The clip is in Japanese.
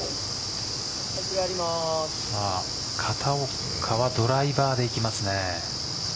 片岡はドライバーでいきますね。